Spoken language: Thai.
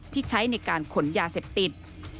ที่ใช้ในการขนยาเสพติด